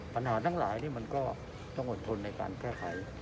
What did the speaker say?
ปัญหาน้ำหลายนี่มันก็ต้องอดทนในการแค่ใคร